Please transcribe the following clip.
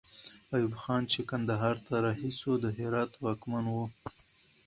ایوب خان چې کندهار ته رهي سو، د هرات واکمن وو.